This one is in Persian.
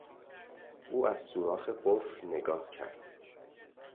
او از سوراخ قفل نگاه کرد.